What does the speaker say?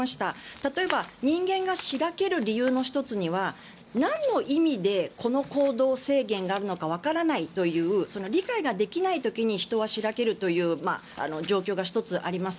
例えば人間が白ける理由の１つにはなんの意味でこの行動制限があるのかわからないという理解ができない時に人は白けるという状況が１つ、あります。